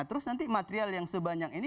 terus nanti material yang sebanyak ini